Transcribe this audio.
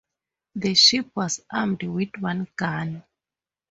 The ship was armed with one gun.